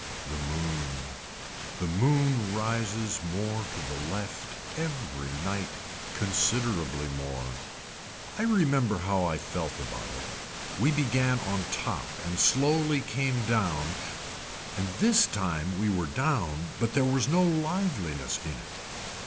The moon. The moon rises more to the left every night considerably more. I remember how I felt about it, we began on top and slowly came down and this time we were down but there was no liveliness in it.